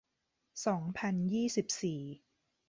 สองพันยี่สิบสี่